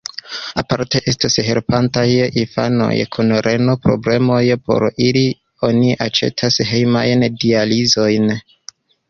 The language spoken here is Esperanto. Aparte estos helpataj infanoj kun reno-problemoj: por ili oni aĉetos hejmajn dializilojn.